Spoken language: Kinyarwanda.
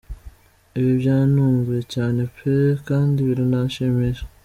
Ibi byantunguye cyane pe! Kandi biranashimishije.